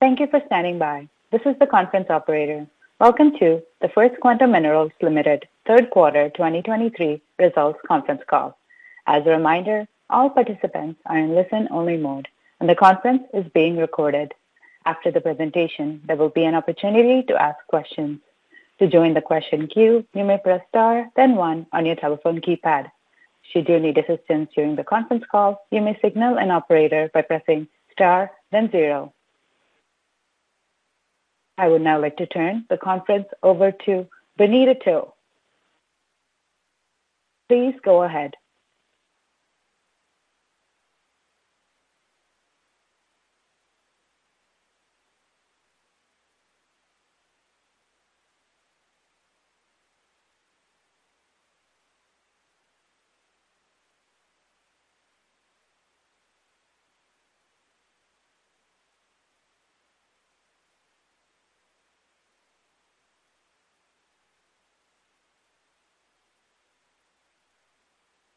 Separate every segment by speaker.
Speaker 1: Thank you for standing by. This is the conference operator. Welcome to the First Quantum Minerals Limited third quarter 2023 results conference call. As a reminder, all participants are in listen-only mode, and the conference is being recorded. After the presentation, there will be an opportunity to ask questions. To join the question queue, you may press star, then one on your telephone keypad. Should you need assistance during the conference call, you may signal an operator by pressing star, then zero. I would now like to turn the conference over to Bonita To. Please go ahead.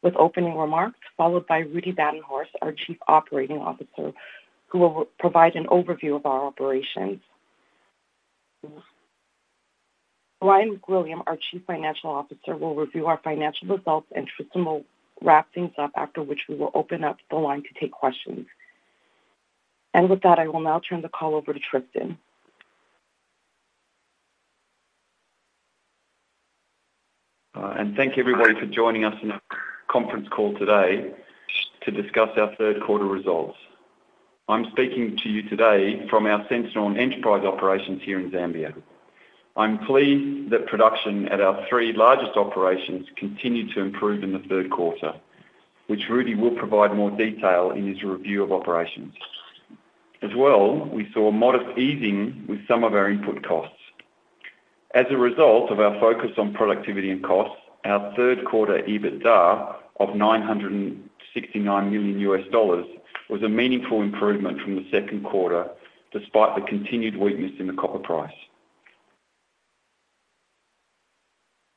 Speaker 1: With opening remarks, followed by Rudi Badenhorst, our Chief Operating Officer, who will provide an overview of our operations. Ryan MacWilliam, our Chief Financial Officer, will review our financial results, and Tristan will wrap things up, after which we will open up the line to take questions. With that, I will now turn the call over to Tristan.
Speaker 2: Thank you everybody for joining us on our conference call today to discuss our third quarter results. I'm speaking to you today from our center on Enterprise operations here in Zambia. I'm pleased that production at our three largest operations continued to improve in the third quarter, which Rudi will provide more detail in his review of operations. As well, we saw a modest easing with some of our input costs. As a result of our focus on productivity and costs, our third quarter EBITDA of $969 million was a meaningful improvement from the second quarter, despite the continued weakness in the copper price.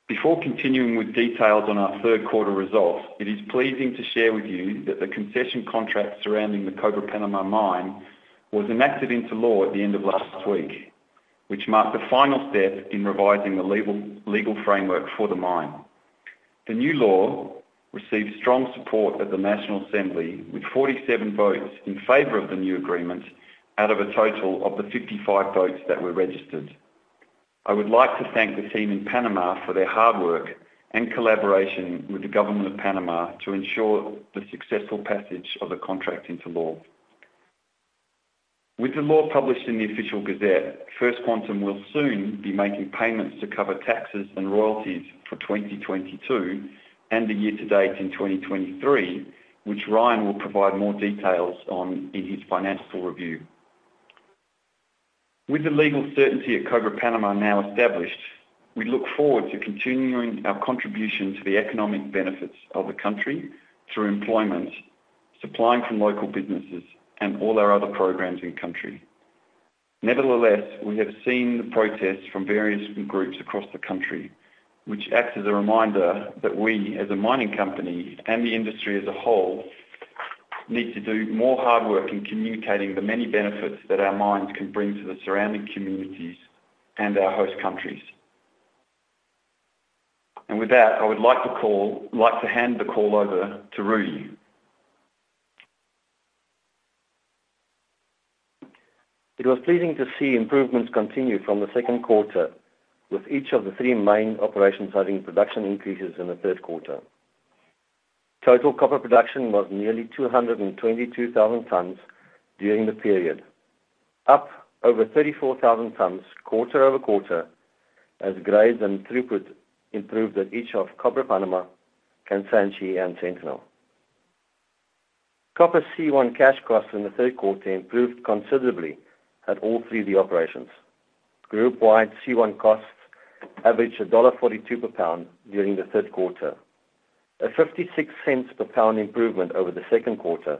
Speaker 2: Before continuing with details on our third quarter results, it is pleasing to share with you that the concession contract surrounding the Cobre Panamá mine was enacted into law at the end of last week, which marked the final step in revising the legal, legal framework for the mine. The new law received strong support at the National Assembly, with 47 votes in favor of the new agreement out of a total of the 55 votes that were registered. I would like to thank the team in Panamá for their hard work and collaboration with the government of Panamá to ensure the successful passage of the contract into law. With the law published in the Official Gazette, First Quantum will soon be making payments to cover taxes and royalties for 2022 and the year to date in 2023, which Ryan will provide more details on in his financial review. With the legal certainty at Cobre Panamá now established, we look forward to continuing our contribution to the economic benefits of the country through employment, supplying from local businesses, and all our other programs in country. Nevertheless, we have seen protests from various groups across the country, which acts as a reminder that we, as a mining company and the industry as a whole, need to do more hard work in communicating the many benefits that our mines can bring to the surrounding communities and our host countries. And with that, I would like to hand the call over to Rudi.
Speaker 3: It was pleasing to see improvements continue from the second quarter, with each of the three main operations having production increases in the third quarter. Total copper production was nearly 222,000 tons during the period, up over 34,000 tons quarter-over-quarter, as grades and throughput improved at each of Cobre Panamá, Kansanshi, and Sentinel. Copper C1 cash costs in the third quarter improved considerably at all three of the operations. Group-wide C1 costs averaged $1.42 per pound during the third quarter, a $0.56 per pound improvement over the second quarter,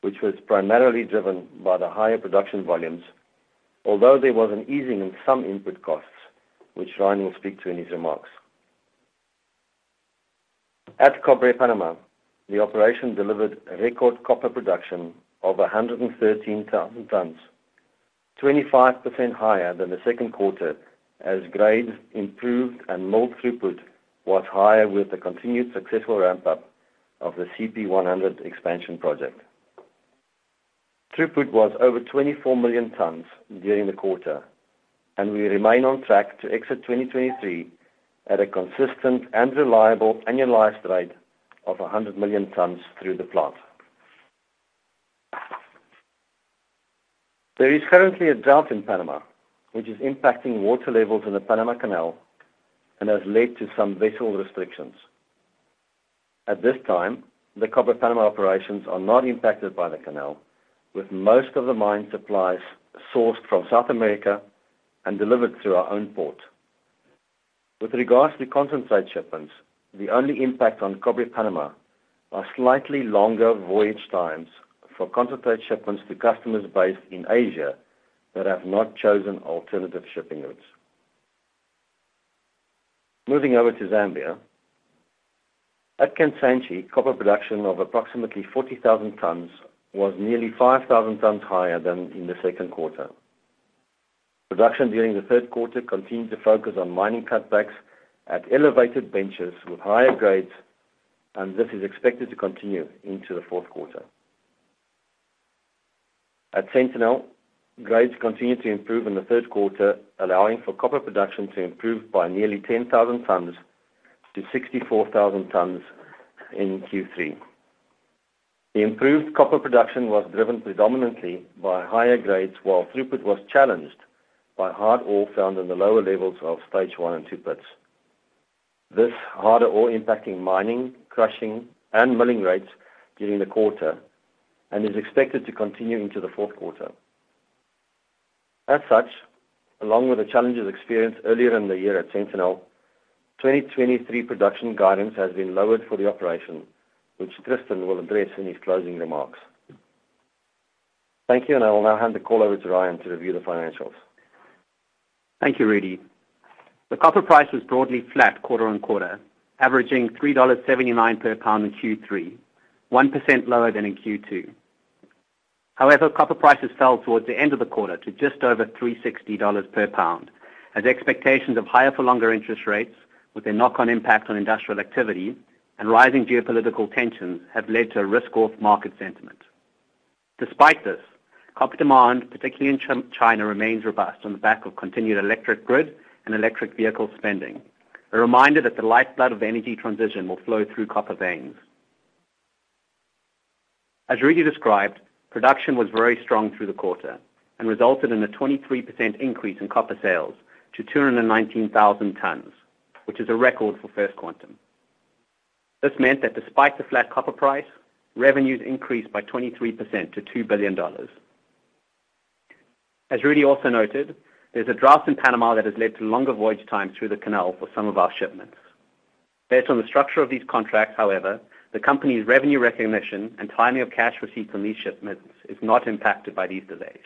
Speaker 3: which was primarily driven by the higher production volumes. Although there was an easing in some input costs, which Ryan will speak to in his remarks. At Cobre Panamá, the operation delivered a record copper production of 113,000 tons, 25% higher than the second quarter, as grades improved and mill throughput was higher with the continued successful ramp-up of the CP100 expansion project. Throughput was over 24 million tons during the quarter, and we remain on track to exit 2023 at a consistent and reliable annualized rate of 100 million tons through the plant. There is currently a drought in Panama, which is impacting water levels in the Panama Canal and has led to some vessel restrictions. At this time, the Cobre Panamá operations are not impacted by the canal, with most of the mine's supplies sourced from South America and delivered through our own port. With regards to concentrate shipments, the only impact on Cobre Panamá are slightly longer voyage times for concentrate shipments to customers based in Asia that have not chosen alternative shipping routes. Moving over to Zambia. At Kansanshi, copper production of approximately 40,000 tons was nearly 5,000 tons higher than in the second quarter. Production during the third quarter continued to focus on mining cutbacks at elevated benches with higher grades, and this is expected to continue into the fourth quarter. At Sentinel, grades continued to improve in the third quarter, allowing for copper production to improve by nearly 10,000 tons to 64,000 tons in Q3. The improved copper production was driven predominantly by higher grades, while throughput was challenged by hard ore found in the lower levels of stage one and two pits. This harder ore impacting mining, crushing, and milling rates during the quarter, and is expected to continue into the fourth quarter. As such, along with the challenges experienced earlier in the year at Sentinel, 2023 production guidance has been lowered for the operation, which Tristan will address in his closing remarks. Thank you, and I will now hand the call over to Ryan to review the financials.
Speaker 4: Thank you, Rudi. The copper price was broadly flat quarter-on-quarter, averaging $3.79 per pound in Q3, 1% lower than in Q2. However, copper prices fell towards the end of the quarter to just over $3.60 per pound, as expectations of higher for longer interest rates, with a knock-on impact on industrial activity and rising geopolitical tensions, have led to a risk-off market sentiment. Despite this, copper demand, particularly in China, remains robust on the back of continued electric grid and electric vehicle spending. A reminder that the lifeblood of energy transition will flow through copper veins. As Rudi described, production was very strong through the quarter and resulted in a 23% increase in copper sales to 219,000 tons, which is a record for First Quantum. This meant that despite the flat copper price, revenues increased by 23% to $2 billion. As Rudi also noted, there's a drought in Panama that has led to longer voyage times through the canal for some of our shipments. Based on the structure of these contracts, however, the company's revenue recognition and timing of cash receipts on these shipments is not impacted by these delays.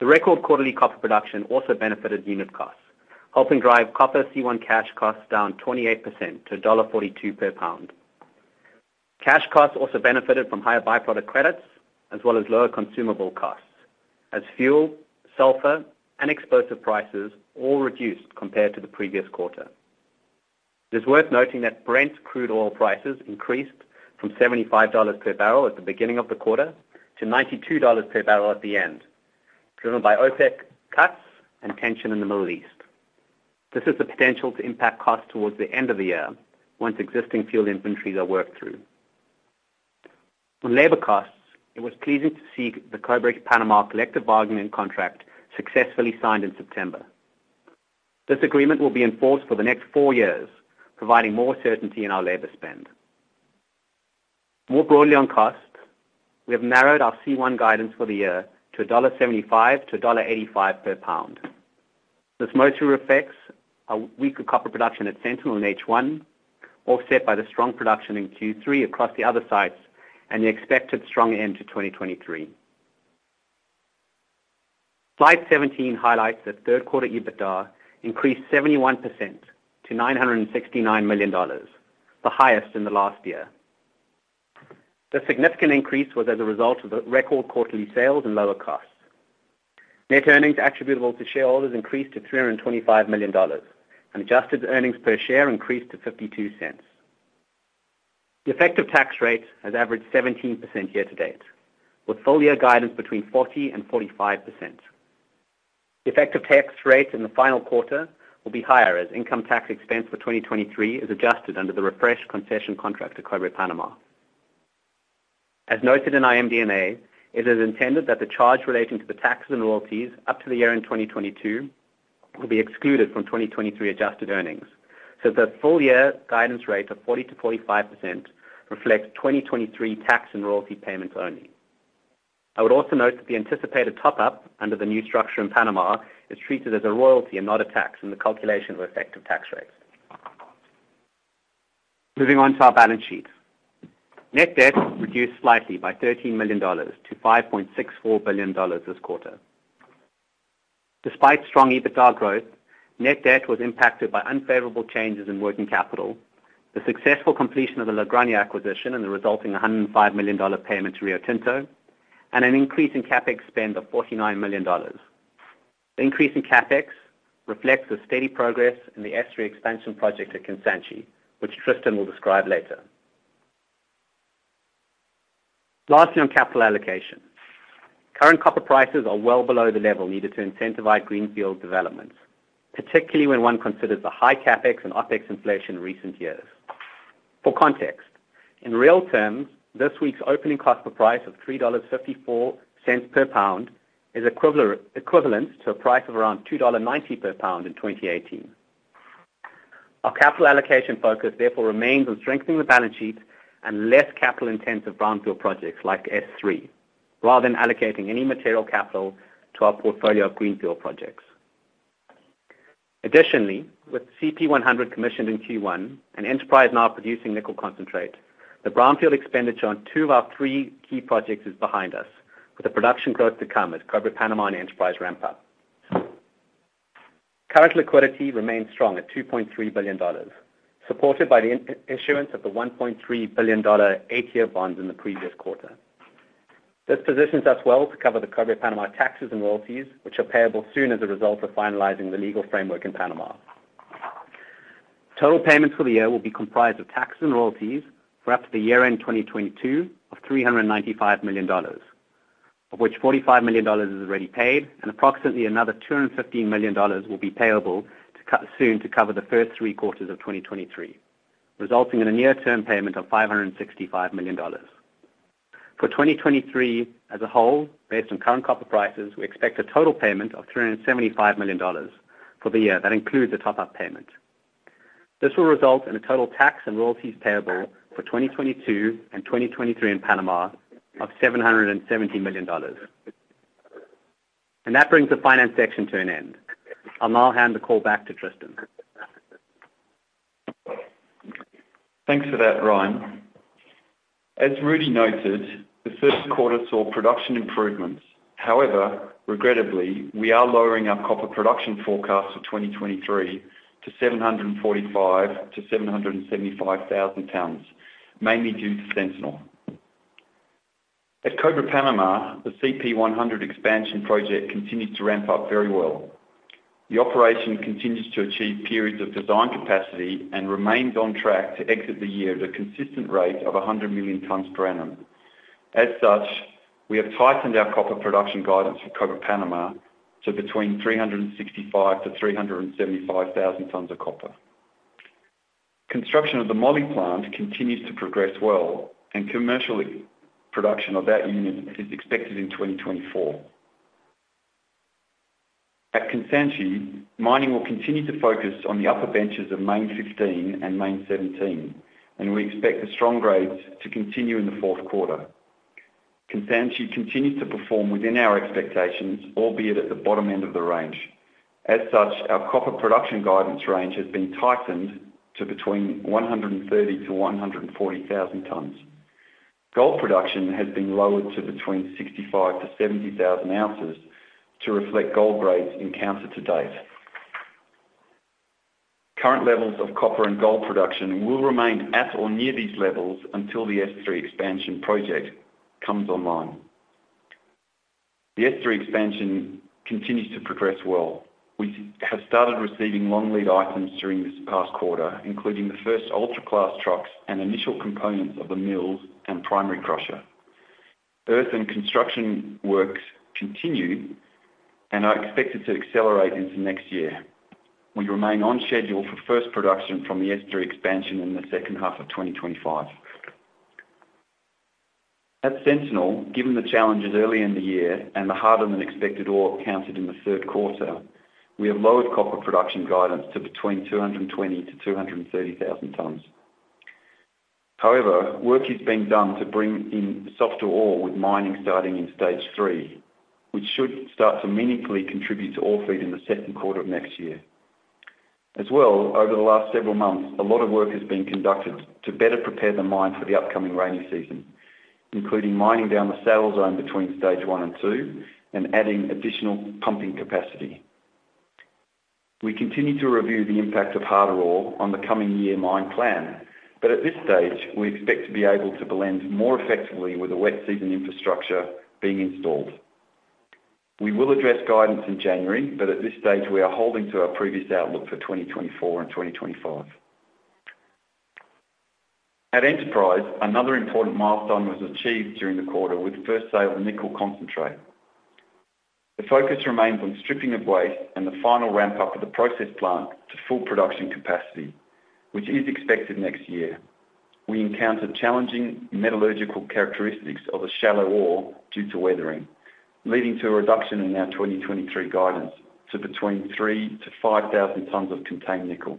Speaker 4: The record quarterly copper production also benefited unit costs, helping drive copper C1 cash costs down 28% to $1.42 per pound. Cash costs also benefited from higher byproduct credits, as well as lower consumable costs, as fuel, sulfur, and explosive prices all reduced compared to the previous quarter. It's worth noting that Brent Crude oil prices increased from $75 per barrel at the beginning of the quarter to $92 per barrel at the end, driven by OPEC cuts and tension in the Middle East. This has the potential to impact costs towards the end of the year, once existing fuel inventories are worked through. On labor costs, it was pleasing to see the Cobre Panamá collective bargaining contract successfully signed in September. This agreement will be in force for the next four years, providing more certainty in our labor spend. More broadly on costs, we have narrowed our C1 guidance for the year to $1.75-$1.85 per pound. This mostly affects a weaker copper production at Sentinel in H1, offset by the strong production in Q3 across the other sites and the expected strong end to 2023. Slide 17 highlights that third quarter EBITDA increased 71% to $969 million, the highest in the last year. The significant increase was as a result of the record quarterly sales and lower costs. Net earnings attributable to shareholders increased to $325 million, and adjusted earnings per share increased to $0.52. The effective tax rate has averaged 17% year to date, with full-year guidance between 40% and 45%. The effective tax rate in the final quarter will be higher, as income tax expense for 2023 is adjusted under the refreshed concession contract at Cobre Panamá. As noted in our MD&A, it is intended that the charge relating to the taxes and royalties up to the year-end in 2022 will be excluded from 2023 adjusted earnings. So the full year guidance rate of 40%-45% reflects 2023 tax and royalty payments only. I would also note that the anticipated top-up under the new structure in Panama is treated as a royalty and not a tax in the calculation of effective tax rates. Moving on to our balance sheet. Net debt reduced slightly by $13 million to $5.64 billion this quarter. Despite strong EBITDA growth, net debt was impacted by unfavorable changes in working capital, the successful completion of the La Granja acquisition and the resulting $105 million payment to Rio Tinto, and an increase in CapEx spend of $49 million. The increase in CapEx reflects the steady progress in the S3 Expansion project at Kansanshi, which Tristan will describe later. Lastly, on capital allocation. Current copper prices are well below the level needed to incentivize greenfield developments, particularly when one considers the high CapEx and OpEx inflation in recent years. For context, in real terms, this week's opening copper price of $3.54 per pound is equivalent to a price of around $2.90 per pound in 2018. Our capital allocation focus therefore remains on strengthening the balance sheet and less capital-intensive brownfield projects like S3, rather than allocating any material capital to our portfolio of greenfield projects. Additionally, with CP100 commissioned in Q1 and Enterprise now producing nickel concentrate, the brownfield expenditure on two of our three key projects is behind us.... with the production growth to come at Cobre Panamá and Enterprise ramp-up. Current liquidity remains strong at $2.3 billion, supported by the issuance of the $1.3 billion eight-year bonds in the previous quarter. This positions us well to cover the Cobre Panamá taxes and royalties, which are payable soon as a result of finalizing the legal framework in Panama. Total payments for the year will be comprised of taxes and royalties for up to the year-end in 2022 of $395 million, of which $45 million is already paid, and approximately another $215 million will be payable soon to cover the first three quarters of 2023, resulting in a near-term payment of $565 million. For 2023 as a whole, based on current copper prices, we expect a total payment of $375 million for the year. That includes a top-up payment. This will result in a total tax and royalties payable for 2022 and 2023 in Panama of $770 million. That brings the finance section to an end. I'll now hand the call back to Tristan.
Speaker 2: Thanks for that, Ryan. As Rudi noted, the third quarter saw production improvements. However, regrettably, we are lowering our copper production forecast for 2023 to 745,000-775,000 tons, mainly due to Sentinel. At Cobre Panamá, the CP100 expansion project continues to ramp up very well. The operation continues to achieve periods of design capacity and remains on track to exit the year at a consistent rate of 100 million tons per annum. As such, we have tightened our copper production guidance for Cobre Panamá to between 365,000-375,000 tons of copper. Construction of the moly plant continues to progress well, and commercial production of that unit is expected in 2024. At Kansanshi, mining will continue to focus on the upper benches of mine 15 and mine 17, and we expect the strong grades to continue in the fourth quarter. Kansanshi continues to perform within our expectations, albeit at the bottom end of the range. As such, our copper production guidance range has been tightened to between 130,000-140,000 tons. Gold production has been lowered to between 65,000-70,000 ounces to reflect gold grades encountered to date. Current levels of copper and gold production will remain at or near these levels until the S3 Expansion project comes online. The S3 Expansion continues to progress well. We have started receiving long-lead items during this past quarter, including the first ultra-class trucks and initial components of the mills and primary crusher. Earthworks and construction works continue and are expected to accelerate into next year. We remain on schedule for first production from the S3 Expansion in the second half of 2025. At Sentinel, given the challenges early in the year and the harder-than-expected ore counted in the third quarter, we have lowered copper production guidance to between 220,000-230,000 tons. However, work is being done to bring in softer ore, with mining starting in stage three, which should start to meaningfully contribute to ore feed in the second quarter of next year. As well, over the last several months, a lot of work has been conducted to better prepare the mine for the upcoming rainy season, including mining down the saddle zone between stage one and two and adding additional pumping capacity. We continue to review the impact of harder ore on the coming year mine plan, but at this stage, we expect to be able to blend more effectively with the wet season infrastructure being installed. We will address guidance in January, but at this stage, we are holding to our previous outlook for 2024 and 2025. At Enterprise, another important milestone was achieved during the quarter, with the first sale of nickel concentrate. The focus remains on stripping of waste and the final ramp-up of the process plant to full production capacity, which is expected next year. We encountered challenging metallurgical characteristics of the shallow ore due to weathering, leading to a reduction in our 2023 guidance to between 3,000-5,000 tons of contained nickel.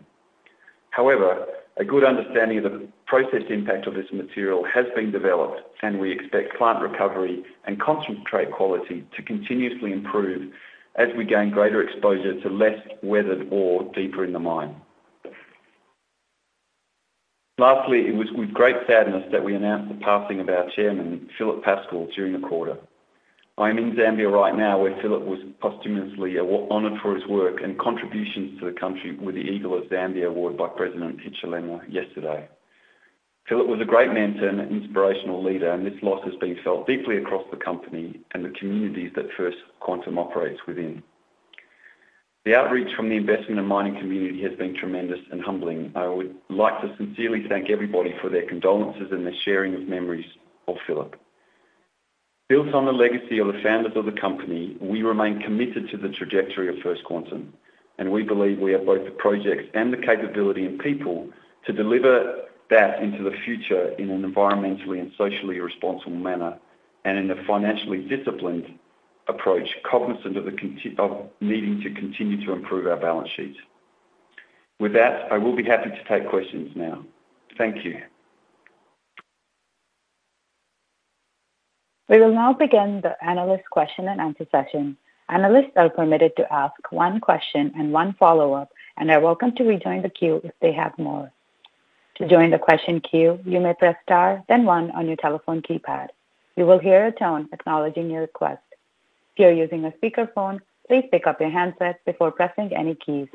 Speaker 2: However, a good understanding of the process impact of this material has been developed, and we expect plant recovery and concentrate quality to continuously improve as we gain greater exposure to less weathered ore deeper in the mine. Lastly, it was with great sadness that we announced the passing of our chairman, Philip Pascall, during the quarter. I am in Zambia right now, where Philip was posthumously honored for his work and contributions to the country with the Eagle of Zambia Award by President Hichilema yesterday. Philip was a great man and an inspirational leader, and this loss has been felt deeply across the company and the communities that First Quantum operates within. The outreach from the investment and mining community has been tremendous and humbling. I would like to sincerely thank everybody for their condolences and their sharing of memories of Philip. Built on the legacy of the founders of the company, we remain committed to the trajectory of First Quantum, and we believe we have both the projects and the capability and people to deliver that into the future in an environmentally and socially responsible manner, and in a financially disciplined approach, cognizant of the constraints of needing to continue to improve our balance sheet. With that, I will be happy to take questions now. Thank you.
Speaker 1: We will now begin the analyst question and answer session. Analysts are permitted to ask one question and one follow-up, and are welcome to rejoin the queue if they have more.... To join the question queue, you may press Star, then one on your telephone keypad. You will hear a tone acknowledging your request. If you are using a speakerphone, please pick up your handsets before pressing any keys.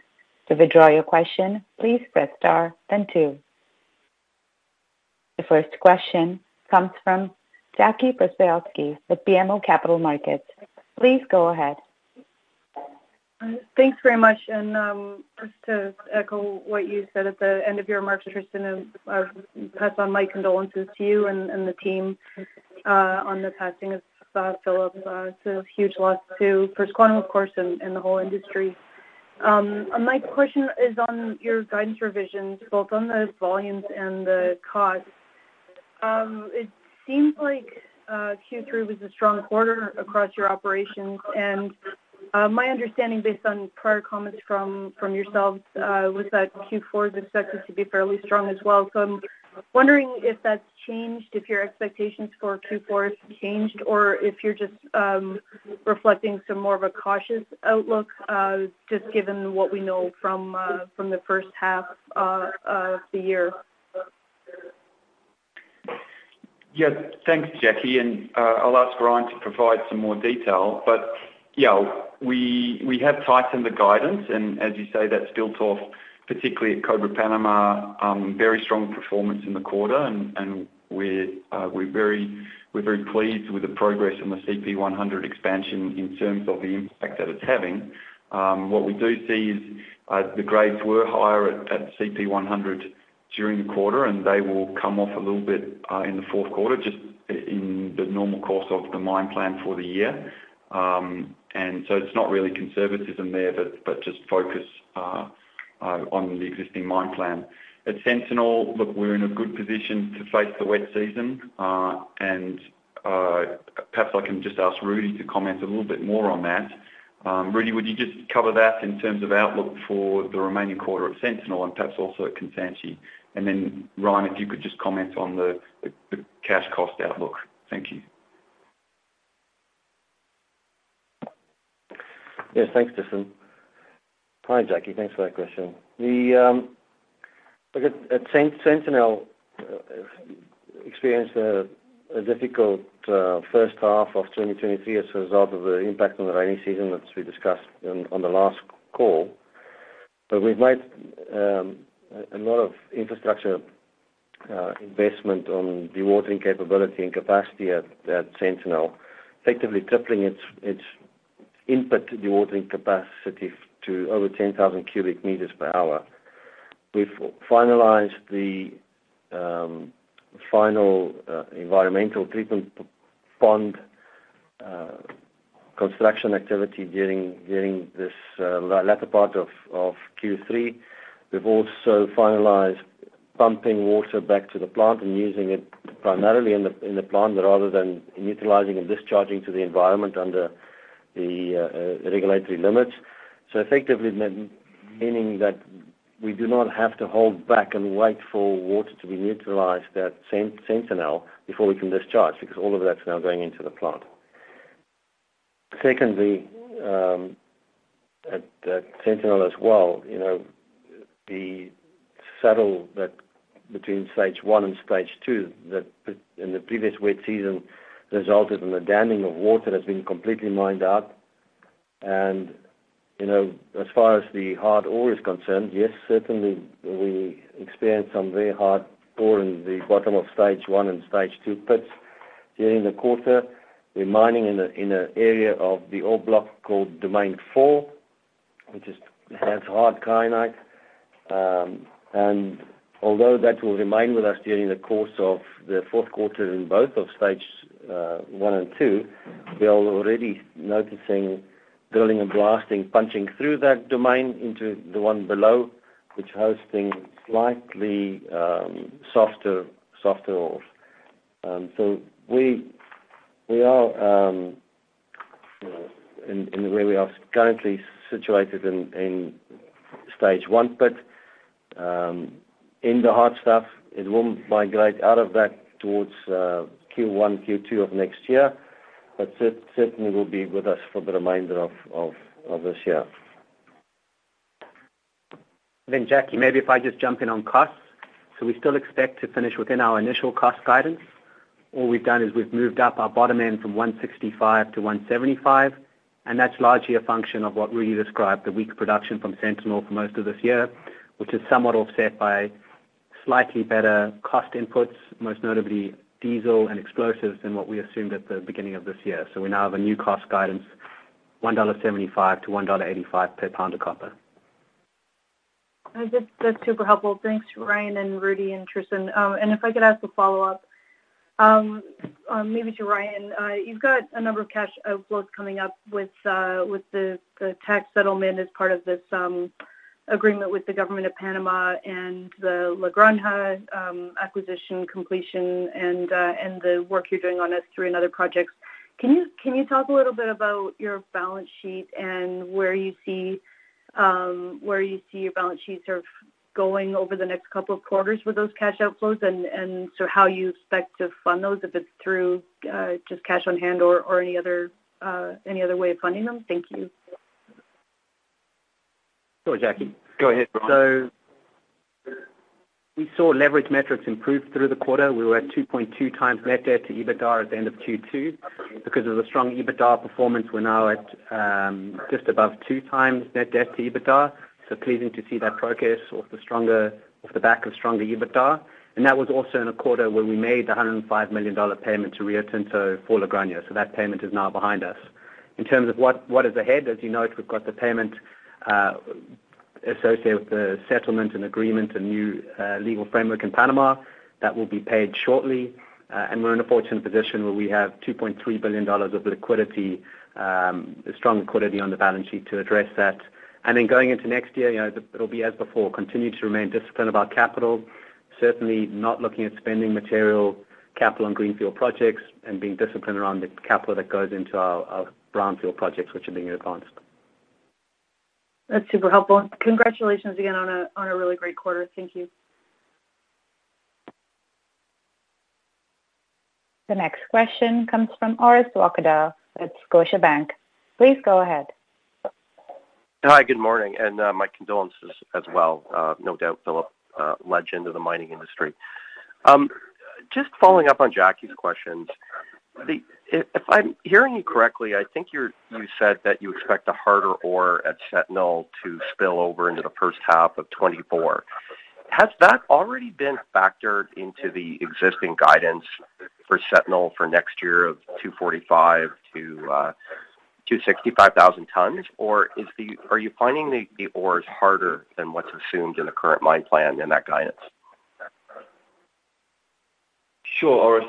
Speaker 1: To withdraw your question, please press Star, then two. The first question comes from Jackie Przygocki with BMO Capital Markets. Please go ahead.
Speaker 5: Thanks very much. And, just to echo what you said at the end of your remarks, Tristan, and, pass on my condolences to you and the team, on the passing of, Philip. It's a huge loss to First Quantum, of course, and the whole industry. My question is on your guidance revisions, both on the volumes and the costs. It seems like, Q3 was a strong quarter across your operations, and, my understanding, based on prior comments from yourselves, was that Q4 is expected to be fairly strong as well. So I'm wondering if that's changed, if your expectations for Q4 have changed, or if you're just, reflecting some more of a cautious outlook, just given what we know from the first half of the year?
Speaker 2: Yes. Thanks, Jackie, and I'll ask Ryan to provide some more detail. But, yeah, we have tightened the guidance, and as you say, that's built off, particularly at Cobre Panamá, very strong performance in the quarter, and we're very pleased with the progress on the CP100 expansion in terms of the impact that it's having. What we do see is, the grades were higher at CP100 during the quarter, and they will come off a little bit in the fourth quarter, just in the normal course of the mine plan for the year. And so it's not really conservatism there, but just focus on the existing mine plan. At Sentinel, look, we're in a good position to face the wet season, and perhaps I can just ask Rudi to comment a little bit more on that. Rudi, would you just cover that in terms of outlook for the remaining quarter at Sentinel and perhaps also at Kansanshi? And then, Ryan, if you could just comment on the cash cost outlook. Thank you.
Speaker 3: Yes, thanks, Tristan. Hi, Jackie. Thanks for that question. Look at Sentinel experienced a difficult first half of 2023 as a result of the impact on the rainy season, as we discussed on the last call. But we've made a lot of infrastructure investment on dewatering capability and capacity at Sentinel, effectively tripling its input dewatering capacity to over 10,000 cubic meters per hour. We've finalized the final environmental treatment pond construction activity during this latter part of Q3. We've also finalized pumping water back to the plant and using it primarily in the plant, rather than neutralizing and discharging to the environment under the regulatory limits. So effectively, meaning that we do not have to hold back and wait for water to be neutralized at Sentinel before we can discharge, because all of that's now going into the plant. Secondly, at Sentinel as well, you know, the saddle that between stage one and stage two, that in the previous wet season resulted in the damming of water, has been completely mined out. And, you know, as far as the hard ore is concerned, yes, certainly we experienced some very hard ore in the bottom of stage one and stage two, but during the quarter, we're mining in an area of the ore block called domain four, which has hard kyanite. And although that will remain with us during the course of the fourth quarter in both of stages, one and two, we are already noticing drilling and blasting, punching through that domain into the one below, which hosting slightly, softer, softer ores. So we are, you know, and where we are currently situated in stage one, but in the hard stuff, it will migrate out of that towards Q1, Q2 of next year, but certainly will be with us for the remainder of this year.
Speaker 4: Then, Jackie, maybe if I just jump in on costs. So we still expect to finish within our initial cost guidance. All we've done is we've moved up our bottom end from 165 to 175, and that's largely a function of what Rudi described, the weak production from Sentinel for most of this year, which is somewhat offset by slightly better cost inputs, most notably diesel and explosives, than what we assumed at the beginning of this year. So we now have a new cost guidance, $1.75-$1.85 per pound of copper.
Speaker 5: That's super helpful. Thanks, Ryan and Rudi and Tristan. And if I could ask a follow-up, maybe to Ryan. You've got a number of cash outflows coming up with the tax settlement as part of this agreement with the government of Panama and the La Granja acquisition completion and the work you're doing on S3 and other projects. Can you talk a little bit about your balance sheet and where you see your balance sheet sort of going over the next couple of quarters with those cash outflows? And so how you expect to fund those, if it's through just cash on hand or any other way of funding them? Thank you....
Speaker 4: Sure, Jackie.
Speaker 2: Go ahead, Ryan.
Speaker 4: So we saw leverage metrics improve through the quarter. We were at 2.2 times net debt to EBITDA at the end of Q2. Because of the strong EBITDA performance, we're now at just above 2 times net debt to EBITDA. So pleasing to see that progress off the back of stronger EBITDA. And that was also in a quarter where we made the $105 million payment to Rio Tinto for Granja. So that payment is now behind us. In terms of what is ahead, as you note, we've got the payment associated with the settlement and agreement, a new legal framework in Panama. That will be paid shortly, and we're in a fortunate position where we have $2.3 billion of liquidity, strong liquidity on the balance sheet to address that. And then going into next year, you know, it'll be as before, continue to remain disciplined about capital. Certainly not looking at spending material capital on greenfield projects and being disciplined around the capital that goes into our, our brownfield projects, which are being re-appraised.
Speaker 5: That's super helpful. Congratulations again on a really great quarter. Thank you.
Speaker 1: The next question comes from Orest Wowkodaw at Scotiabank. Please go ahead.
Speaker 6: Hi, good morning, and my condolences as well. No doubt, Philip, a legend of the mining industry. Just following up on Jackie's questions. If I'm hearing you correctly, I think you said that you expect a harder ore at Sentinel to spill over into the first half of 2024. Has that already been factored into the existing guidance for Sentinel for next year of 245,000-265,000 tons? Or are you finding the ores harder than what's assumed in the current mine plan in that guidance?
Speaker 2: Sure, Orest.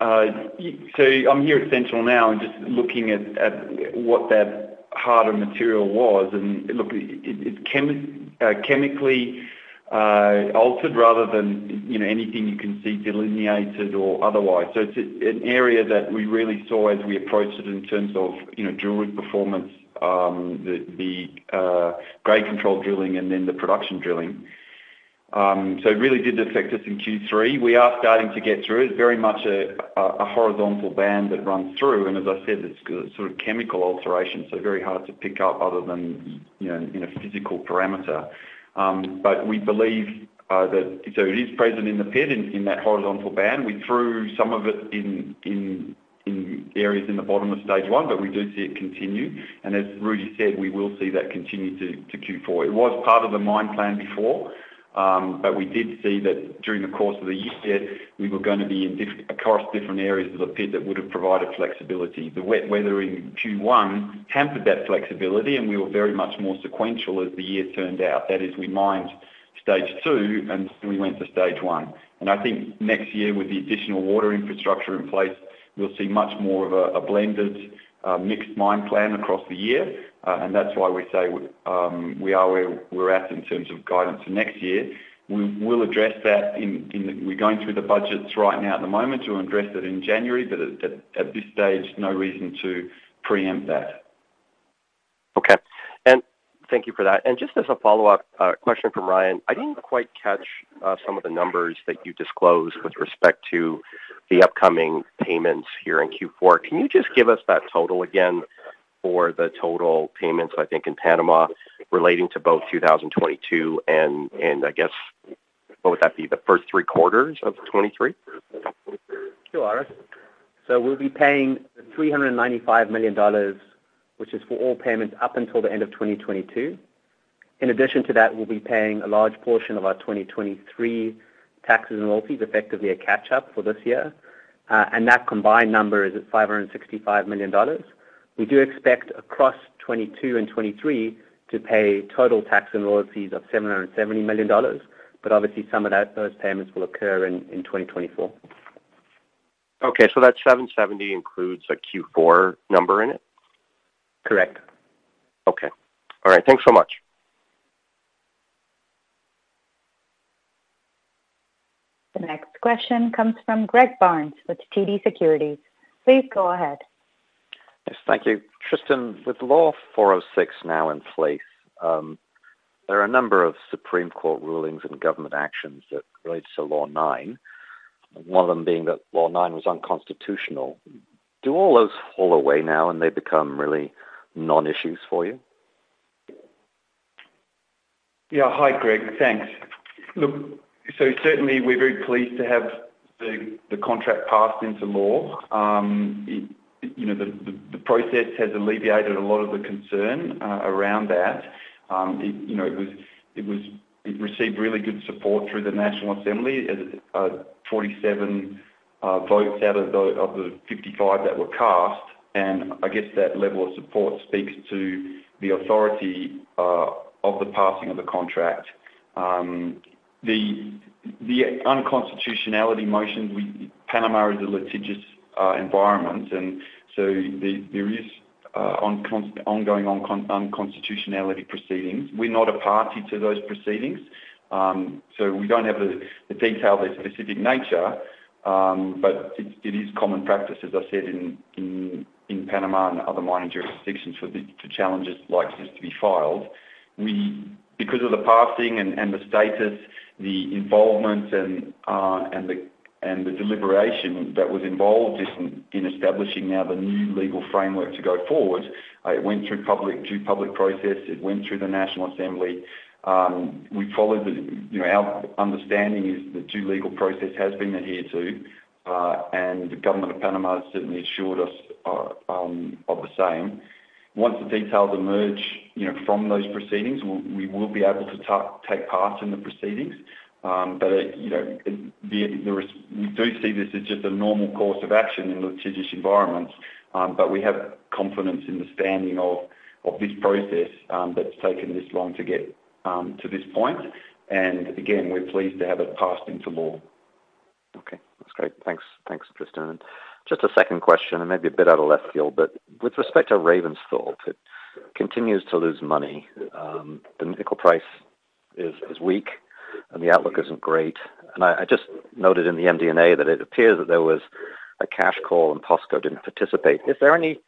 Speaker 2: You-- so I'm here at Sentinel now and just looking at what that harder material was, and look, it chemically altered rather than, you know, anything you can see delineated or otherwise. So it's an area that we really saw as we approached it in terms of, you know, drilling performance, the grade control drilling and then the production drilling. So it really did affect us in Q3. We are starting to get through it, very much a horizontal band that runs through, and as I said, it's sort of chemical alteration, so very hard to pick up other than, you know, in a physical parameter. But we believe that-- so it is present in the pit, in that horizontal band. We threw some of it in areas in the bottom of stage one, but we do see it continue. And as Rudi said, we will see that continue to Q4. It was part of the mine plan before, but we did see that during the course of the year, we were gonna be across different areas of the pit that would have provided flexibility. The wet weather in Q1 hampered that flexibility, and we were very much more sequential as the year turned out. That is, we mined stage two, and we went to stage one. And I think next year, with the additional water infrastructure in place, we'll see much more of a blended, mixed mine plan across the year. And that's why we say, we are where we're at in terms of guidance for next year. We will address that in the, we're going through the budgets right now at the moment to address it in January, but at this stage, no reason to preempt that.
Speaker 6: Okay. And thank you for that. And just as a follow-up question for Ryan, I didn't quite catch some of the numbers that you disclosed with respect to the upcoming payments here in Q4. Can you just give us that total again for the total payments, I think, in Panama, relating to both 2022 and, I guess, what would that be? The first three quarters of 2023.
Speaker 4: Sure, Orest. So we'll be paying $395 million, which is for all payments up until the end of 2022. In addition to that, we'll be paying a large portion of our 2023 taxes and royalties, effectively a catch-up for this year. And that combined number is at $565 million. We do expect across 2022 and 2023 to pay total tax and royalties of $770 million, but obviously some of that, those payments will occur in, in 2024.
Speaker 6: Okay. So that 770 includes a Q4 number in it?
Speaker 4: Correct.
Speaker 6: Okay. All right. Thanks so much.
Speaker 1: The next question comes from Greg Barnes with TD Securities. Please go ahead.
Speaker 7: Yes, thank you. Tristan, with Law 406 now in place, there are a number of Supreme Court rulings and government actions that relate to Law 9, one of them being that Law 9 was unconstitutional. Do all those fall away now, and they become really non-issues for you?
Speaker 2: Yeah. Hi, Greg, thanks. Look, so certainly, we're very pleased to have the contract passed into law. You know, the process has alleviated a lot of the concern around that. You know, it received really good support through the National Assembly as 47 votes out of the 55 that were cast, and I guess that level of support speaks to the authority of the passing of the contract. The unconstitutionality motions, Panama is a litigious environment, and so there is ongoing unconstitutionality proceedings. We're not a party to those proceedings, so we don't have the detail, the specific nature, but it is common practice, as I said, in Panama and other mining jurisdictions for the challenges like this to be filed. We, because of the passing and the status, the involvement and the deliberation that was involved in establishing now the new legal framework to go forward, it went through public, due public process. It went through the National Assembly. We followed the, you know, our understanding is the due legal process has been adhered to, and the government of Panama has certainly assured us of the same. Once the details emerge, you know, from those proceedings, we will be able to take part in the proceedings. But you know, we do see this as just a normal course of action in litigious environments, but we have confidence in the standing of this process that's taken this long to get to this point. And again, we're pleased to have it passed into law.
Speaker 7: Okay, that's great. Thanks. Thanks, Tristan. Just a second question, and maybe a bit out of left field, but with respect to Ravensthorpe, it continues to lose money. The nickel price is weak, and the outlook isn't great. And I just noted in the MD&A that it appears that there was a cash call and POSCO didn't participate. Is there any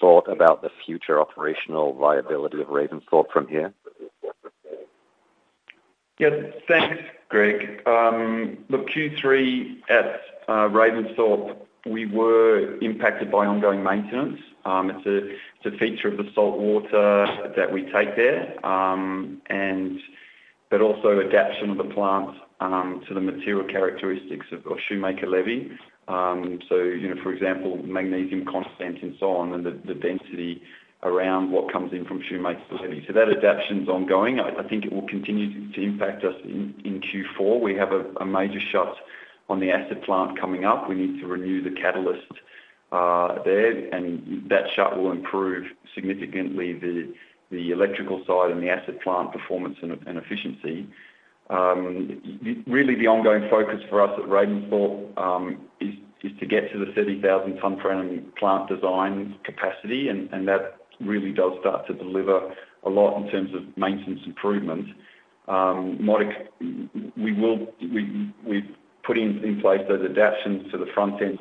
Speaker 7: thought about the future operational viability of Ravensthorpe from here?
Speaker 2: Yes, thanks, Greg. Look, Q3 at Ravensthorpe, we were impacted by ongoing maintenance. It's a feature of the salt water that we take there, and but also adaptation of the plant to the material characteristics of Shoemaker Levee. So, you know, for example, magnesium content and so on, and the density around what comes in from Shoemaker Levee. So that adaptation is ongoing. I think it will continue to impact us in Q4. We have a major shut on the acid plant coming up. We need to renew the catalyst there, and that shut will improve significantly the electrical side and the acid plant performance and efficiency. Really, the ongoing focus for us at Ravensthorpe is to get to the 30,000 ton per annum plant design capacity, and that really does start to deliver a lot in terms of maintenance improvement. What we've put in place those adaptations to the front-end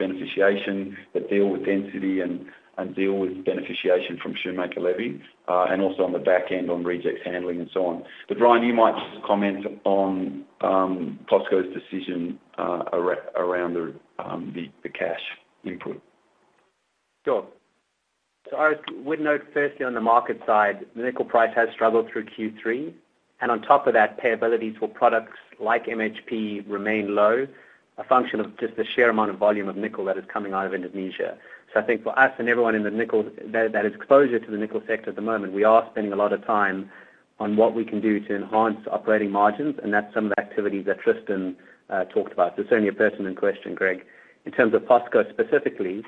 Speaker 2: beneficiation that deal with density and deal with beneficiation from Shoemaker Levee, and also on the back end, on reject handling and so on. But Ryan, you might comment on POSCO's decision around the cash input.
Speaker 4: Sure. So I would note, firstly, on the market side, the nickel price has struggled through Q3, and on top of that, payables for products like MHP remain low, a function of just the sheer amount of volume of nickel that is coming out of Indonesia. So I think for us and everyone in the nickel, that is exposure to the nickel sector at the moment; we are spending a lot of time on what we can do to enhance operating margins, and that's some of the activities that Tristan talked about. It's only a pertinent question, Greg. In terms of POSCO specifically,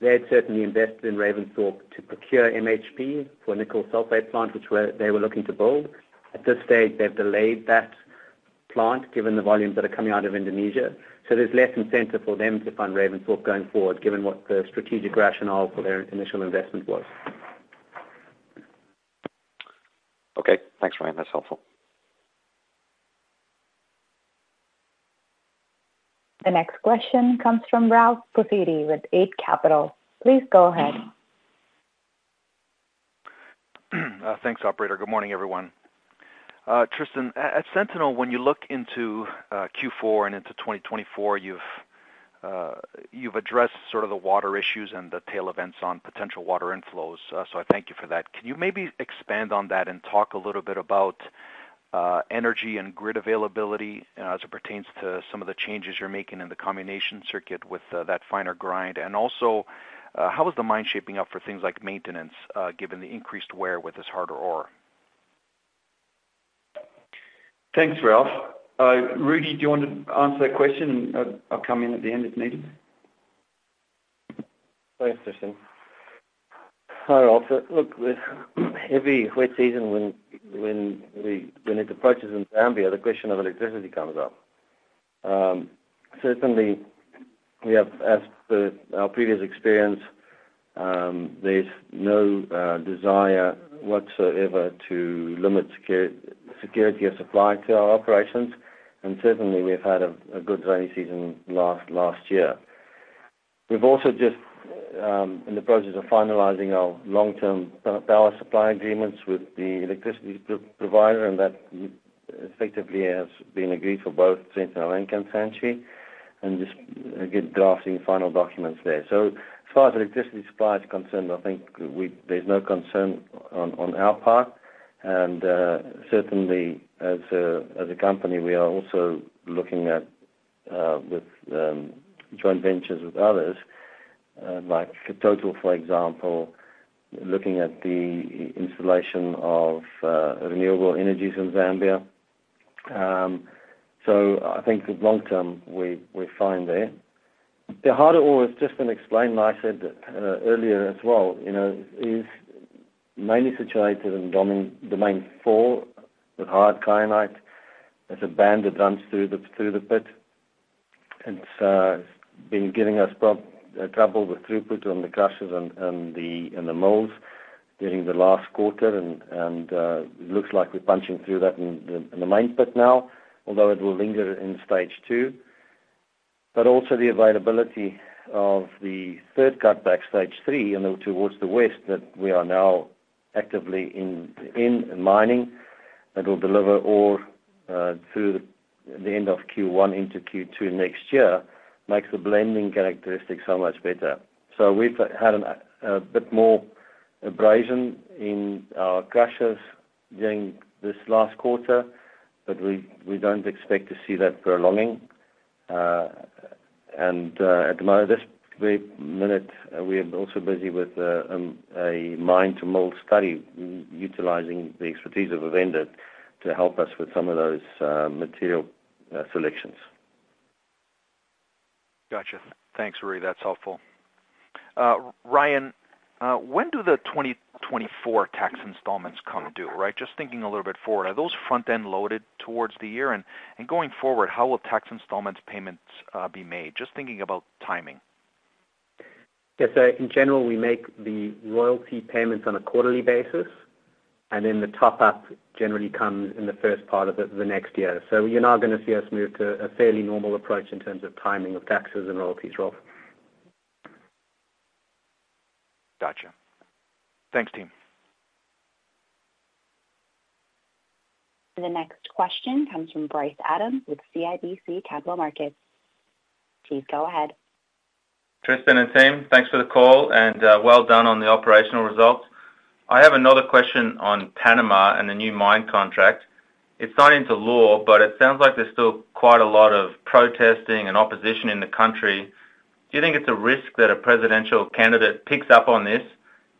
Speaker 4: they had certainly invested in Ravensthorpe to procure MHP for a nickel sulfate plant, which they were looking to build. At this stage, they've delayed that plant, given the volumes that are coming out of Indonesia. So there's less incentive for them to fund Ravensthorpe going forward, given what the strategic rationale for their initial investment was.
Speaker 7: Okay. Thanks, Ryan. That's helpful.
Speaker 1: The next question comes from Ralph Profiti with Eight Capital. Please go ahead.
Speaker 8: Thanks, operator. Good morning, everyone. Tristan, at Sentinel, when you look into Q4 and into 2024, you've addressed sort of the water issues and the tail events on potential water inflows, so I thank you for that. Can you maybe expand on that and talk a little bit about energy and grid availability, as it pertains to some of the changes you're making in the combination circuit with that finer grind? And also, how is the mine shaping up for things like maintenance, given the increased wear with this harder ore?
Speaker 2: Thanks, Ralph. Rudi, do you want to answer that question, and I'll come in at the end, if needed?
Speaker 3: Thanks, Tristan. Hi, Ralph. Look, with every wet season when it approaches in Zambia, the question of electricity comes up. Certainly, we have, as per our previous experience, there's no desire whatsoever to limit security of supply to our operations, and certainly, we've had a good rainy season last year. We've also just in the process of finalizing our long-term power supply agreements with the electricity provider, and that effectively has been agreed for both Sentinel and Kansanshi, and just get drafting final documents there. So as far as electricity supply is concerned, I think there's no concern on our part, and certainly as a company, we are also looking at joint ventures with others, like Total, for example, looking at the installation of renewable energies in Zambia. So I think long term, we're fine there. The harder ore has just been explained, I said earlier as well, you know, is mainly situated in domain four, with hard Kyanite. There's a band that runs through the pit, and so been giving us trouble with throughput on the crushers and the mills during the last quarter, and it looks like we're punching through that in the main pit now, although it will linger in stage two.... but also the availability of the third cutback, stage three, and then towards the west, that we are now actively in, in mining, that will deliver ore through the end of Q1 into Q2 next year, makes the blending characteristics so much better. So we've had a bit more abrasion in our crushers during this last quarter, but we don't expect to see that for long. And at the moment, this very minute, we are also busy with a mine-to-mill study, utilizing the expertise of a vendor to help us with some of those material selections.
Speaker 8: Got you. Thanks, Rudi. That's helpful. Ryan, when do the 2024 tax installments come due, right? Just thinking a little bit forward, are those front-end loaded towards the year? And going forward, how will tax installments payments be made? Just thinking about timing.
Speaker 4: Yes, so in general, we make the royalty payments on a quarterly basis, and then the top-up generally comes in the first part of it the next year. You're now gonna see us move to a fairly normal approach in terms of timing of taxes and royalties, Rob.
Speaker 8: Gotcha. Thanks, team.
Speaker 1: The next question comes from Bryce Adams with CIBC Capital Markets. Please go ahead.
Speaker 9: Tristan and team, thanks for the call, and, well done on the operational results. I have another question on Panama and the new mine contract. It's not into law, but it sounds like there's still quite a lot of protesting and opposition in the country. Do you think it's a risk that a presidential candidate picks up on this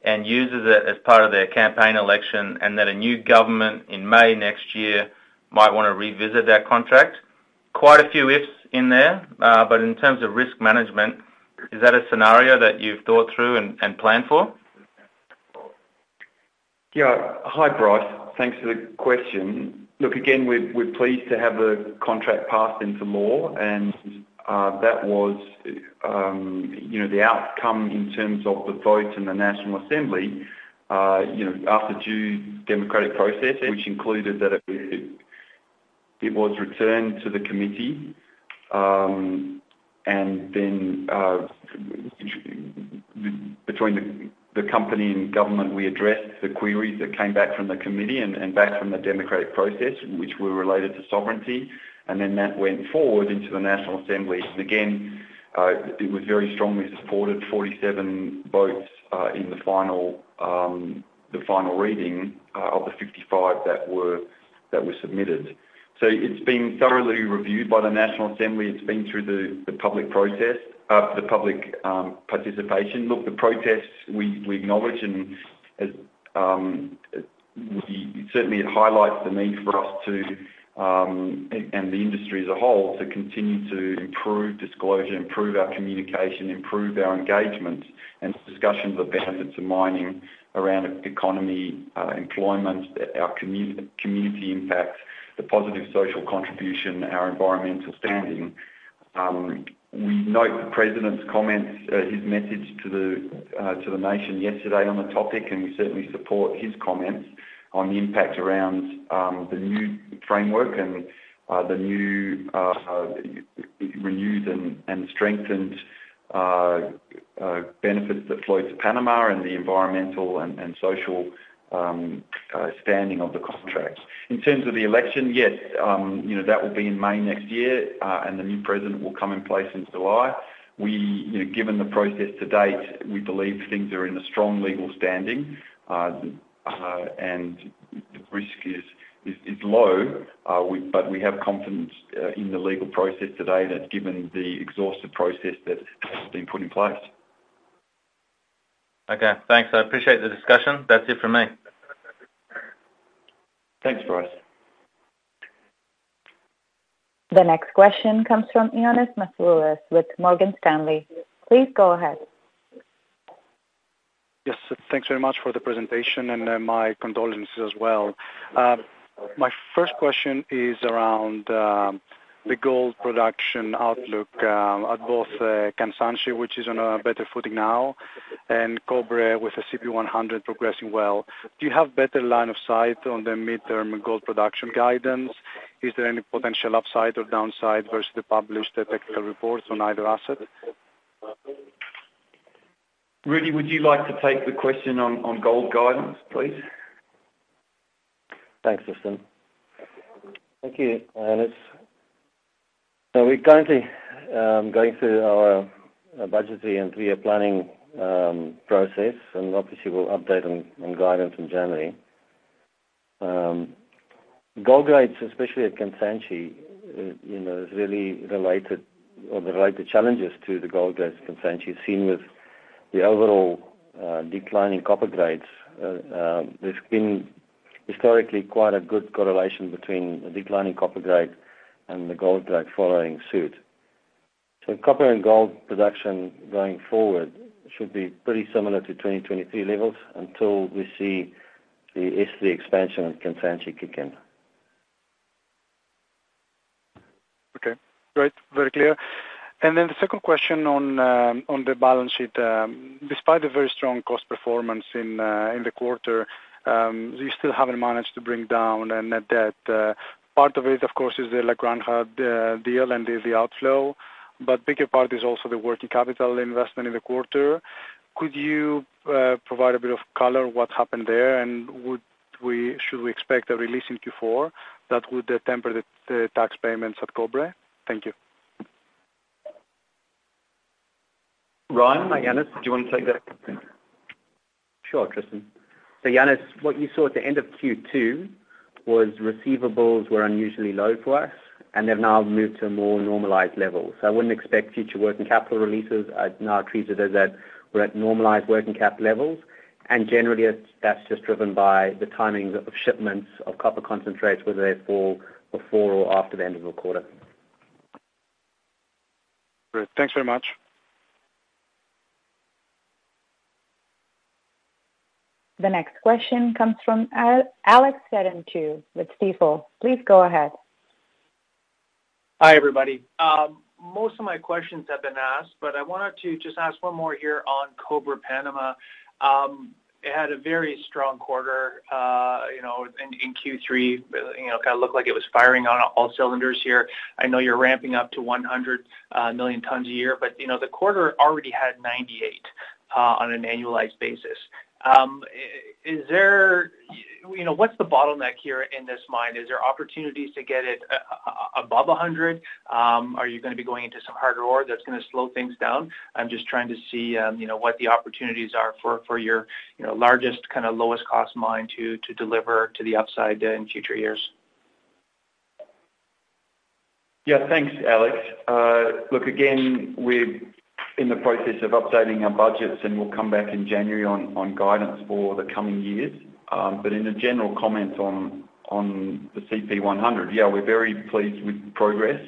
Speaker 9: and uses it as part of their campaign election, and that a new government in May next year might want to revisit that contract? Quite a few ifs in there, but in terms of risk management, is that a scenario that you've thought through and planned for?
Speaker 2: Yeah. Hi, Bryce. Thanks for the question. Look, again, we're pleased to have the contract passed into law, and that was, you know, the outcome in terms of the vote in the National Assembly, you know, after due democratic process, which included that it was returned to the committee, and then, between the company and government, we addressed the queries that came back from the committee and back from the democratic process, which were related to sovereignty, and then that went forward into the National Assembly. And again, it was very strongly supported, 47 votes in the final, the final reading of the 55 that were submitted. So it's been thoroughly reviewed by the National Assembly. It's been through the public process, the public participation. Look, the protests we acknowledge, and as we certainly, it highlights the need for us and the industry as a whole to continue to improve disclosure, improve our communication, improve our engagement, and discussions of the benefits of mining around economy, employment, our community impact, the positive social contribution, our environmental standing. We note the president's comments, his message to the nation yesterday on the topic, and we certainly support his comments on the impact around the new framework and the new renewed and strengthened benefits that flow to Panama and the environmental and social standing of the contract. In terms of the election, yes, you know, that will be in May next year, and the new president will come in place in July. We, you know, given the process to date, we believe things are in a strong legal standing, and the risk is low, but we have confidence in the legal process to date, and given the exhaustive process that has been put in place.
Speaker 9: Okay, thanks. I appreciate the discussion. That's it for me.
Speaker 2: Thanks, Bryce.
Speaker 1: The next question comes from Ioannis Masvoulas with Morgan Stanley. Please go ahead.
Speaker 10: Yes, thanks very much for the presentation, and, my condolences as well. My first question is around, the gold production outlook, at both, Kansanshi, which is on a better footing now, and Cobre, with the CP100 progressing well. Do you have better line of sight on the midterm gold production guidance? Is there any potential upside or downside versus the published technical reports on either asset?
Speaker 2: Rudi, would you like to take the question on gold guidance, please?
Speaker 10: Thanks, Tristan.
Speaker 3: Thank you, Ioannis. So we're currently going through our budgetary and three-year planning process, and obviously, we'll update on guidance in January. Gold grades, especially at Kansanshi, you know, is really related or relate the challenges to the gold grades at Kansanshi, seen with the overall decline in copper grades. There's been historically quite a good correlation between the decline in copper grade and the gold grade following suit. So copper and gold production going forward should be pretty similar to 2023 levels until we see the S3 expansion of Kansanshi kick in.
Speaker 10: Okay, great. Very clear. And then the second question on the balance sheet. Despite the very strong cost performance in the quarter, you still haven't managed to bring down a net debt. Part of it, of course, is the La Granja deal and the outflow, but bigger part is also the working capital investment in the quarter....
Speaker 3: Could you provide a bit of color on what happened there? And would we, should we expect a release in Q4 that would temper the tax payments at Cobre? Thank you.
Speaker 2: Ryan or Yannis, do you want to take that?
Speaker 4: Sure, Tristan. So Yannis, what you saw at the end of Q2, was receivables were unusually low for us, and they've now moved to a more normalized level. So I wouldn't expect future working capital releases. I'd now treat it as that we're at normalized working capital levels, and generally, that's just driven by the timing of shipments of copper concentrates, whether they fall before or after the end of the quarter.
Speaker 3: Great. Thanks very much.
Speaker 1: The next question comes from Alex Terentiew with Stifel. Please go ahead.
Speaker 11: Hi, everybody. Most of my questions have been asked, but I wanted to just ask one more here on Cobre Panamá. It had a very strong quarter, you know, in, in Q3. You know, kind of looked like it was firing on all cylinders here. I know you're ramping up to 100 million tons a year, but, you know, the quarter already had 98 on an annualized basis. Is there... You know, what's the bottleneck here in this mine? Is there opportunities to get it, a- above 100? Are you gonna be going into some harder ore that's gonna slow things down? I'm just trying to see, you know, what the opportunities are for, for your, you know, largest, kind of, lowest cost mine to, to deliver to the upside in future years.
Speaker 2: Yeah. Thanks, Alex. Look, again, we're in the process of updating our budgets, and we'll come back in January on guidance for the coming years. But in a general comment on the CP100, yeah, we're very pleased with the progress.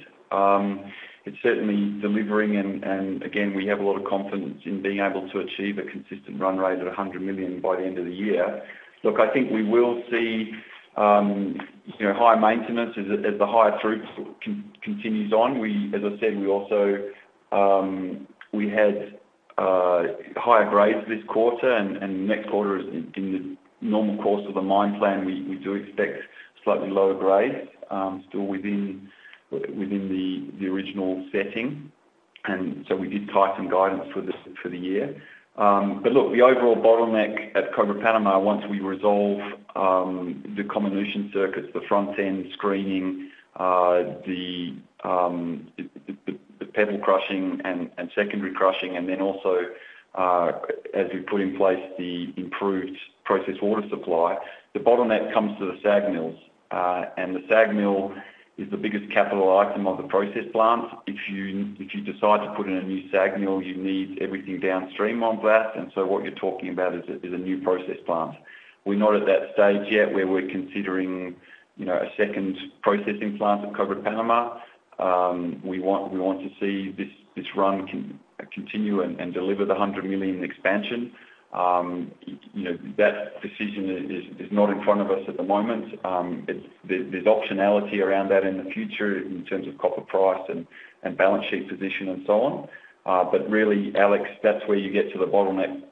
Speaker 2: It's certainly delivering, and again, we have a lot of confidence in being able to achieve a consistent run rate of 100 million by the end of the year. Look, I think we will see, you know, higher maintenance as the higher throughput continues on. As I said, we also had higher grades this quarter, and next quarter is in the normal course of the mine plan, we do expect slightly lower grades, still within the original setting. We did tighten guidance for the year. But look, the overall bottleneck at Cobre Panamá, once we resolve the comminution circuits, the front-end screening, the pebble crushing and secondary crushing, and then also, as we put in place the improved process water supply, the bottleneck comes to the SAG mills. The SAG mill is the biggest capital item of the process plant. If you decide to put in a new SAG mill, you need everything downstream on that, and so what you're talking about is a new process plant. We're not at that stage yet, where we're considering, you know, a second processing plant at Cobre Panamá. We want to see this run continue and deliver the 100 million expansion. You know, that decision is not in front of us at the moment. It's there, there's optionality around that in the future, in terms of copper price and balance sheet position, and so on. But really, Alex, that's where you get to the bottleneck.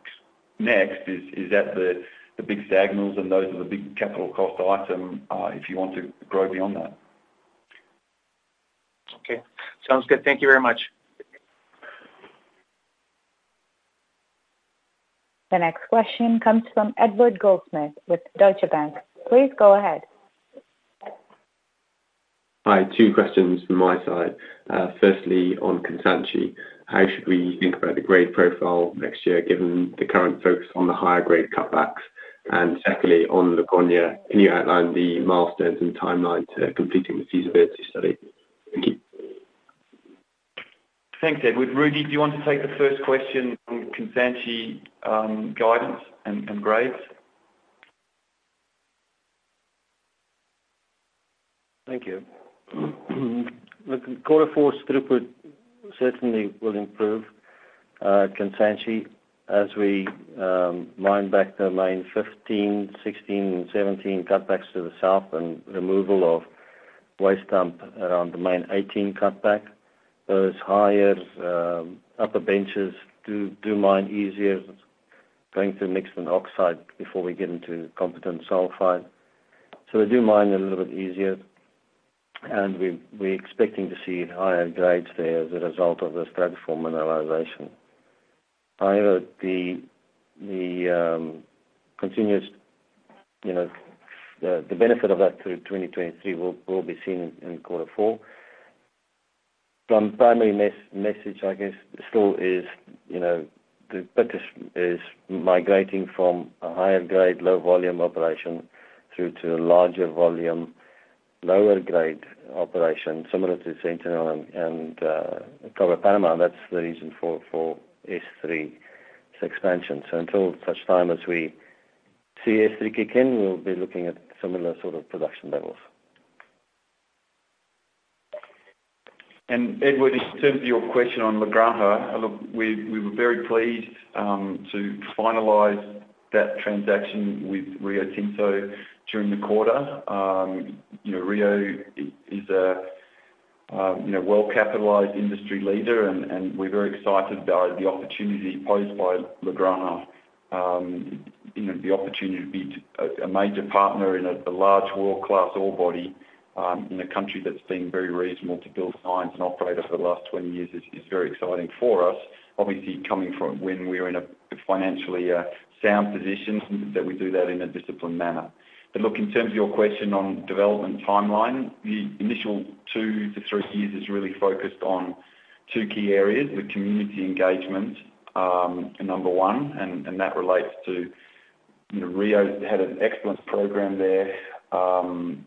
Speaker 2: Next is at the big SAG mills, and those are the big capital cost item, if you want to grow beyond that.
Speaker 11: Okay, sounds good. Thank you very much.
Speaker 1: The next question comes from Edward Goldsmith with Deutsche Bank. Please go ahead.
Speaker 12: Hi, two questions from my side. Firstly, on Kansanshi, how should we think about the grade profile next year, given the current focus on the higher grade cutbacks? And secondly, on La Granja, can you outline the milestones and timeline to completing the feasibility study? Thank you.
Speaker 2: Thanks, Edward. Rudi, do you want to take the first question on Kansanshi, guidance and grades?
Speaker 3: Thank you. Look, quarter four throughput certainly will improve, Kansanshi, as we mine back the main 15, 16, and 17 cutbacks to the south and removal of waste dump around the main 18 cutback. Those higher upper benches do mine easier, going through mixed and oxide before we get into competent sulfide. So we do mine a little bit easier, and we're expecting to see higher grades there as a result of the stratiform mineralization. However, the continuous, you know, the benefit of that through 2023 will be seen in quarter four. From primary message, I guess, still is, you know, the focus is migrating from a higher grade, low volume operation through to a larger volume, lower grade operation, similar to Sentinel and Cobre Panamá. That's the reason for S3's expansion. Until such time as we see S3 kick in, we'll be looking at similar sort of production levels.
Speaker 2: Edward, in terms of your question on La Granja, look, we, we were very pleased to finalize that transaction with Rio Tinto during the quarter. You know, Rio is a, you know, well-capitalized industry leader, and, and we're very excited about the opportunity posed by La Granja. You know, the opportunity to be a, a major partner in a, a large world-class ore body, in a country that's been very reasonable to build mines and operate over the last 20 years is, is very exciting for us. Obviously, coming from when we're in a financially sound position, that we do that in a disciplined manner. But look, in terms of your question on development timeline, the initial 2-3 years is really focused on two key areas: the community engagement, number one, and that relates to, you know, Rio had an excellent program there, and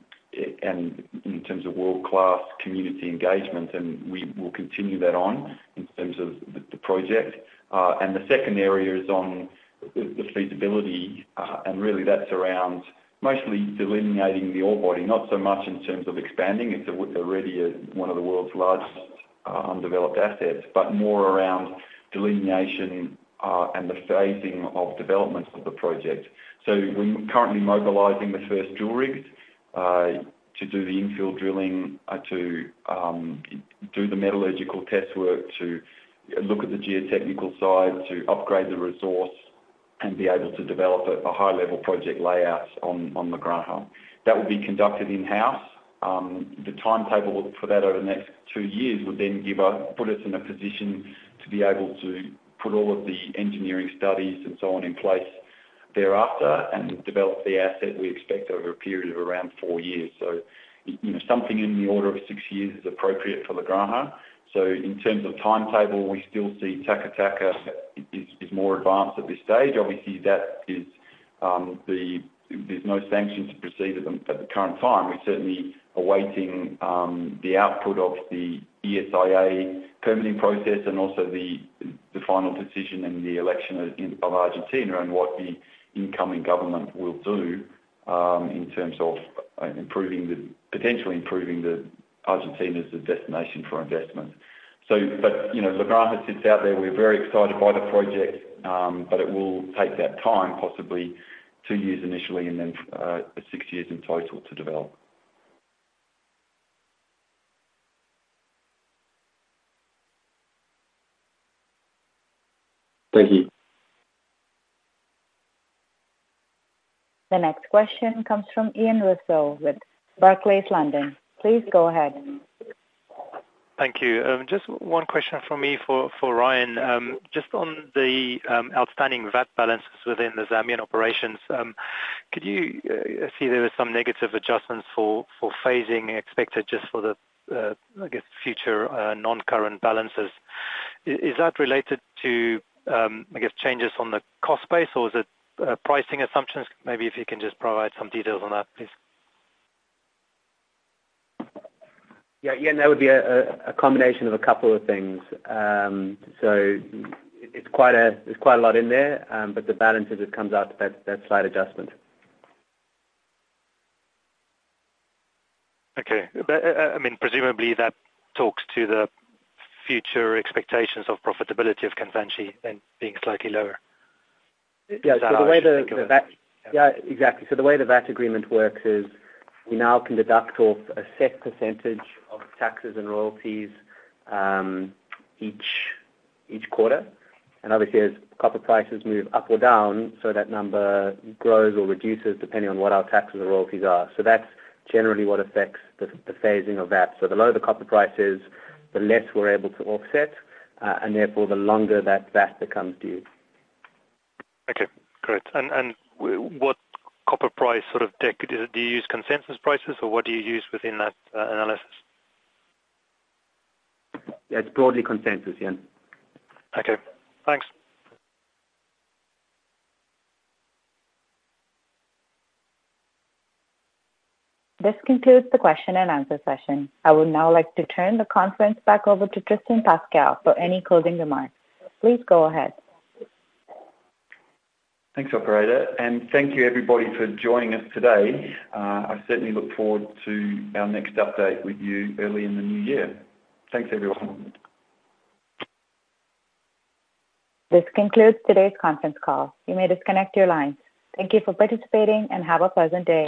Speaker 2: in terms of world-class community engagement, and we will continue that on in terms of the project. And the second area is on the feasibility, and really that's around mostly delineating the ore body, not so much in terms of expanding, it's already one of the world's largest undeveloped assets, but more around delineation, and the phasing of development of the project. So we're currently mobilizing the first two rigs to do the infill drilling to do the metallurgical test work, to look at the geotechnical side, to upgrade the resource, and be able to develop a high-level project layout on La Granja. That will be conducted in-house. The timetable for that over the next two years would then give us put us in a position to be able to put all of the engineering studies and so on in place thereafter and develop the asset we expect over a period of around four years. So you know, something in the order of six years is appropriate for La Granja. So in terms of timetable, we still see Taca Taca is more advanced at this stage. Obviously, that is. There's no sanction to proceed at the current time. We're certainly awaiting the output of the ESIA permitting process and also the final decision in the election in Argentina, and what the incoming government will do in terms of improving, potentially improving Argentina as a destination for investment. So but, you know, La Granja sits out there. We're very excited by the project, but it will take that time, possibly two years initially, and then six years in total to develop.
Speaker 5: Thank you.
Speaker 1: The next question comes from Ian Russo with Barclays, London. Please go ahead.
Speaker 13: Thank you. Just one question from me for Ryan. Just on the outstanding VAT balances within the Zambian operations, could you... I see there were some negative adjustments for phasing expected just for the, I guess, future non-current balances. Is that related to, I guess, changes on the cost base, or is it pricing assumptions? Maybe if you can just provide some details on that, please.
Speaker 4: Yeah, Ian, that would be a combination of a couple of things. So there's quite a lot in there, but the balance is, it comes out to that slight adjustment.
Speaker 13: Okay. But, I mean, presumably that talks to the future expectations of profitability of Kansanshi then being slightly lower?
Speaker 4: Yeah. So the way the VAT-
Speaker 13: Is that how I should think of it?
Speaker 4: Yeah, exactly. So the way the VAT agreement works is we now can deduct off a set percentage of taxes and royalties, each quarter. And obviously, as copper prices move up or down, so that number grows or reduces, depending on what our taxes and royalties are. So that's generally what affects the phasing of that. So the lower the copper price is, the less we're able to offset, and therefore, the longer that VAT becomes due.
Speaker 13: Okay, great. And what copper price sort of take? Do you use consensus prices or what do you use within that analysis?
Speaker 4: It's broadly consensus, Ian.
Speaker 13: Okay, thanks.
Speaker 1: This concludes the question and answer session. I would now like to turn the conference back over to Tristan Pascall for any closing remarks. Please go ahead.
Speaker 2: Thanks, operator, and thank you, everybody, for joining us today. I certainly look forward to our next update with you early in the new year. Thanks, everyone.
Speaker 1: This concludes today's conference call. You may disconnect your lines. Thank you for participating, and have a pleasant day.